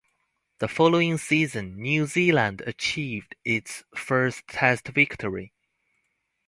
The following season New Zealand achieved its first Test victory.